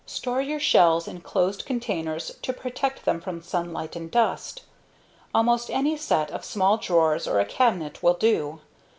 Store your shells in closed containers to protect them from sunlight and dust. Almost any set of small drawers or a cabinet will do.